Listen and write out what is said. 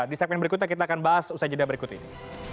di segmen berikutnya kita akan bahas usai jeda berikut ini